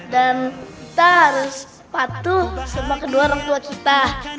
dan kita harus patuh sama kedua orang tua kita